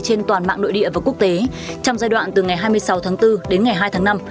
trên toàn mạng nội địa và quốc tế trong giai đoạn từ ngày hai mươi sáu tháng bốn đến ngày hai tháng năm